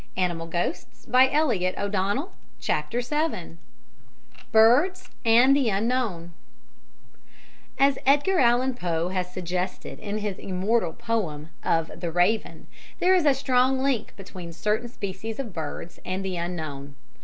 PART III BIRDS AND THE UNKNOWN CHAPTER VII BIRDS AND THE UNKNOWN As Edgar Allan Poe has suggested in his immortal poem of "The Raven," there is a strong link between certain species of birds and the Unknown.